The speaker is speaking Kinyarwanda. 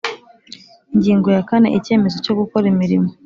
Ingingo ya kane Icyemezo cyo gukora imirimo